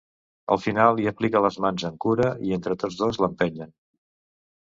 Al final hi aplica les mans amb cura i entre tots dos l'espanyen.